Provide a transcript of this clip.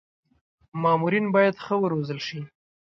مامورین باید ښه و روزل شي.